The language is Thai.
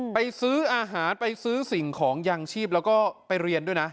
ซื้ออาหารไปซื้อสิ่งของยางชีพแล้วก็ไปเรียนด้วยนะ